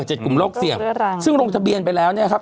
กลุ่มโรคเสี่ยงซึ่งลงทะเบียนไปแล้วเนี่ยครับ